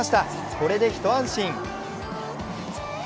これで一安心。